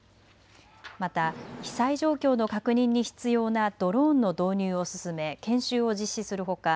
また被災状況の確認に必要なドローンの導入を進め研修を実施するほか